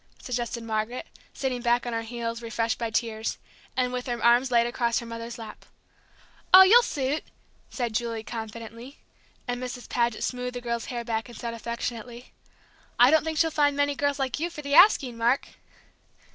suggested Margaret, sitting back on her heels, refreshed by tears, and with her arms laid across her mother's lap. "Oh, you'll suit," said Julie, confidently; and Mrs. Paget smoothed the girl's hair back and said affectionately, "I don't think she'll find many girls like you for the asking, Mark!"